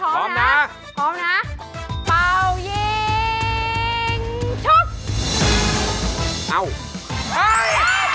เบอร์ดี้เจอเบอร์ดี้พร้อมนะ